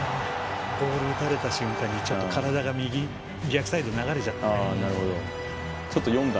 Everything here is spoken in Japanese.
ボール打たれた瞬間に体が逆サイドに流れちゃったから。